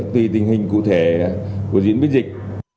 tùy tình hình cụ thể của diễn biến dịch